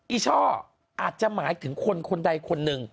อช่ออาจจะหมายถึงคนคนใดคนหนึ่ง